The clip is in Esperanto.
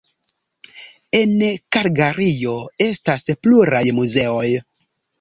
En Kalgario estas pluraj muzeoj.